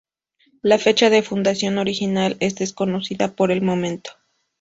La fecha de fundación original es desconocida por el momento.